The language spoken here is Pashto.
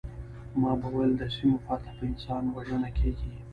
ما به ویل د سیمو فتح په انسان وژنه کیږي